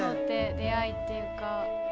出会いっていうか。